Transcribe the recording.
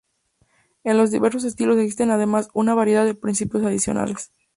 En los diversos estilos existe además una variedad de principios adicionales.